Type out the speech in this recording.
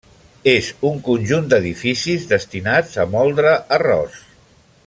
És un conjunt d'edificis destinats a moldre arròs.